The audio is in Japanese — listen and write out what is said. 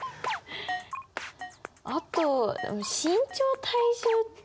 あと身長・体重って。